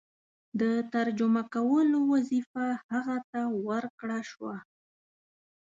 د ترجمه کولو وظیفه هغه ته ورکړه شوه.